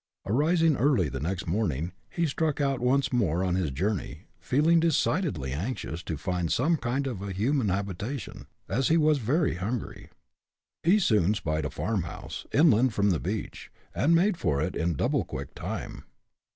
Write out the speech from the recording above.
Arising early the next morning, he struck out once more on his journey, feeling decidedly anxious to find some kind of a human habitation, as he was very hungry. He soon spied a farm house, inland from the beach, and made for it in double quick time.